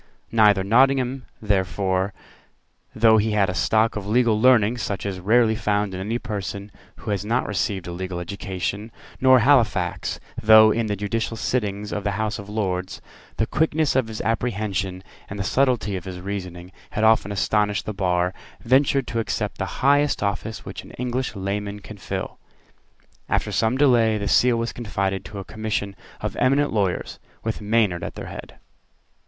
Neither Nottingham therefore, though he had a stock of legal learning such as is rarely found in any person who has not received a legal education, nor Halifax, though, in the judicial sittings of the House of Lords, the quickness of his apprehension and the subtlety of his reasoning had often astonished the bar, ventured to accept the highest office which an English layman can fill. After some delay the Seal was confided to a commission of eminent lawyers, with Maynard at their head.